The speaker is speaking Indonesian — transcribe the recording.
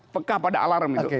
pekah pada alarm itu